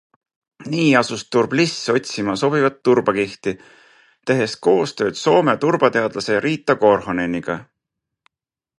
Nii asus Turbliss otsima sobivat turbakihti, tehes koostööd Soome turbateadlase Riita Korhoneniga.